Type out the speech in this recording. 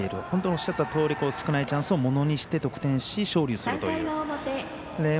本当におっしゃったとおり少ないチャンスをものにして得点し勝利をするという。